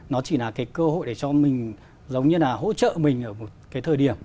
nó chỉ là cái cơ hội để cho mình giống như là hỗ trợ mình ở một cái thời điểm